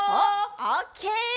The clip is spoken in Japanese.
オッケー！